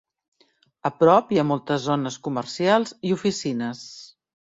A prop hi ha moltes zones comercials i oficines.